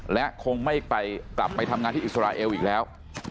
และคงไม่ไปกลับไปทำงานที่อิสราเอลอีกแล้ว